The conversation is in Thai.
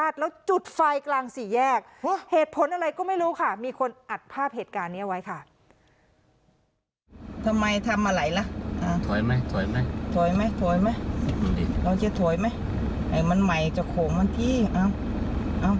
ถอยมั้ยถอยมั้ยเราจะถอยมั้ยไอ้มันใหม่จะโขมันที่เอ้าเอ้า